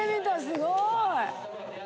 すごい！